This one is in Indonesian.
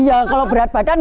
iya kalau berat badan